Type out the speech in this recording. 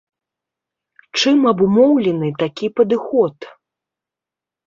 Чым абумоўлены такі падыход?